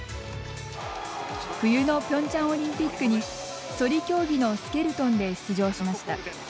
冬のピョンチャンオリンピックにそり競技のスケルトンで出場しました。